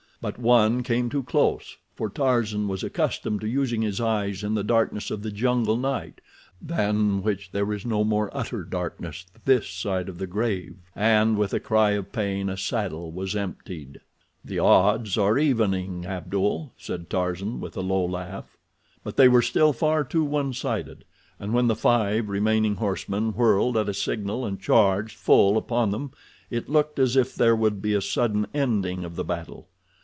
But one came too close, for Tarzan was accustomed to using his eyes in the darkness of the jungle night, than which there is no more utter darkness this side the grave, and with a cry of pain a saddle was emptied. "The odds are evening, Abdul," said Tarzan, with a low laugh. But they were still far too one sided, and when the five remaining horsemen whirled at a signal and charged full upon them it looked as if there would be a sudden ending of the battle.